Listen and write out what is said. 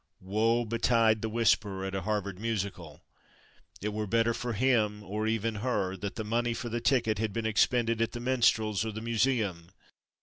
Woe betide the whisperer at a Harvard Musical. It were better for him, or even her, that the money for the ticket had been expended at the minstrels or the museum.